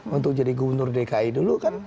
untuk jadi gubernur dki dulu kan